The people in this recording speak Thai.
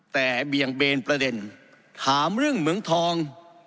แต่เบี่ยงเบนประเด็นถามเรื่องเหมืองทอง